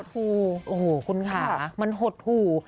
ห่วงห่วงคุณข้าวมันหดหู่